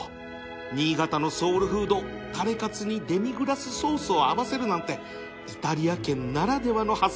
新潟のソウルフードタレカツにデミグラスソースを合わせるなんてイタリア軒ならではの発想だ